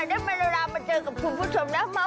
ได้เวลาลามาเจอกับคุณผู้ชมมา